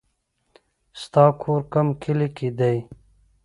ستا کور کوم کلي کې دی